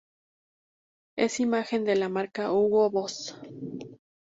Es imagen de la marca Hugo Boss.